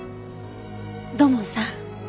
土門さん。